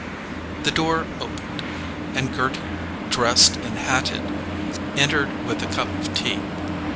The door opened, and Gerty, dressed and hatted, entered with a cup of tea.